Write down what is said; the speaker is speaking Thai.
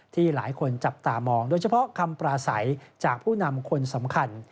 ที่หลายคนจับตามองโดยเฉพาะคำปราศัยจากผู้นำคนสำคัญ